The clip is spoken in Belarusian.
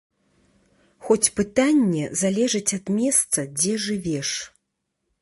Хоць пытанне залежыць ад месца, дзе жывеш.